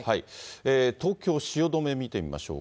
東京・汐留見てみましょうか。